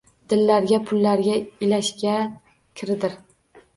Dillarga pullardan ilashgan kirdir